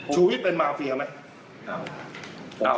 ชีวิตเป็นมาเฟียไหม